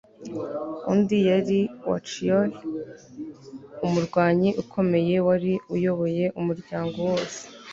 undi yari wachiori, umurwanyi ukomeye, wari uyoboye umuryango wose